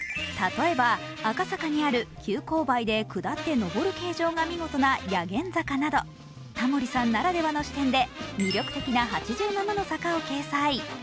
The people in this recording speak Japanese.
例えば赤坂にある急勾配で下って登る形状が見事な薬研坂などタモリさんならではの視点で魅力的な８７の坂を掲載。